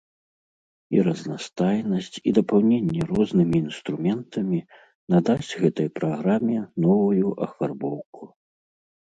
І разнастайнасць, і дапаўненне рознымі інструментамі надасць гэтай праграме новую афарбоўку.